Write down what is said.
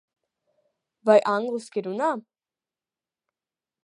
Vai angliski runā?